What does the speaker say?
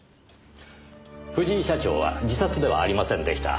藤井社長は自殺ではありませんでした。